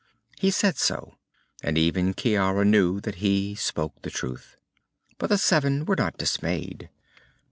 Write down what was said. He said so, and even Ciara knew that he spoke the truth. But the seven were not dismayed.